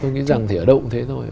tôi nghĩ rằng thì ở đâu cũng thế thôi